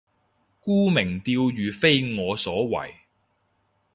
沽名釣譽非我所為